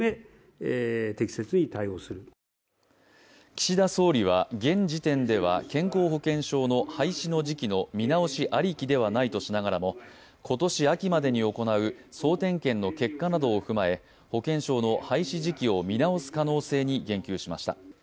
岸田総理は現時点では健康保険証の廃止の時期の見直しありきではないとしながらも、今年秋までに行う総点検の結果などを踏まえ、保険証の廃止時期を見直す可能性に言及しました。